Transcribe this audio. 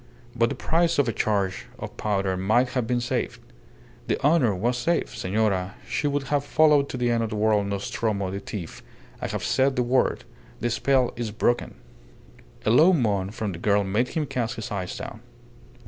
But the price of a charge of powder might have been saved. The honour was safe. ... Senora, she would have followed to the end of the world Nostromo the thief. ... I have said the word. The spell is broken!" A low moan from the girl made him cast his eyes down.